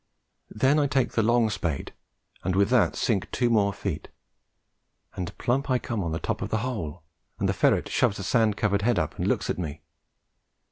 Then I take the long spade, and with that sink two more feet, and plump I come on the top of the hole, and the ferret shoves a sand covered head up and looks at me.